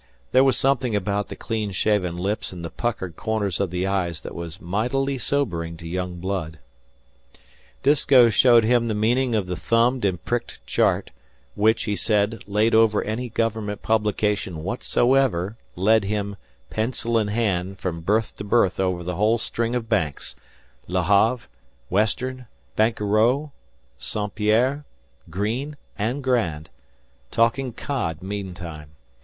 There was something about the clean shaven lips and the puckered corners of the eyes that was mightily sobering to young blood. Disko showed him the meaning of the thumbed and pricked chart, which, he said, laid over any government publication whatsoever; led him, pencil in hand, from berth to berth over the whole string of banks Le Have, Western, Banquereau, St. Pierre, Green, and Grand talking "cod" meantime.